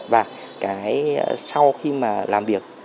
và sau khi làm việc